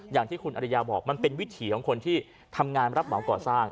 อย่างที่คุณอริยาบอกมันเป็นวิถีของคนที่ทำงานรับเหมาก่อสร้าง